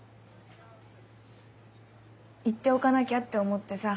言っておかなきゃって思ってさ。